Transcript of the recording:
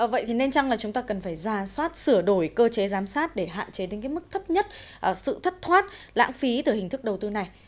vậy thì nên chăng là chúng ta cần phải ra soát sửa đổi cơ chế giám sát để hạn chế đến cái mức thấp nhất sự thất thoát lãng phí từ hình thức đầu tư này